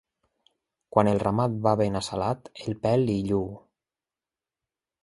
Quan el ramat va ben assalat, el pèl li lluu.